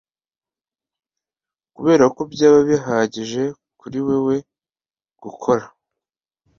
Kuberako byaba bihagije kuri wewe gukora